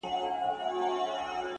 ستوري ډېوه سي ؛هوا خوره سي؛